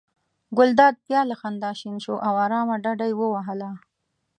ګلداد بیا له خندا شین شو او آرامه ډډه یې ووهله.